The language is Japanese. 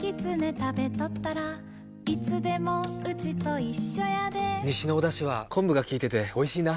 食べとったらいつでもウチと一緒やで西のおだしは昆布が効いてておいしいな。